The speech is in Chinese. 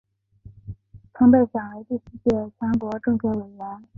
曾被选为第四届全国政协委员。